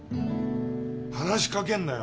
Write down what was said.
話しかけんなよ。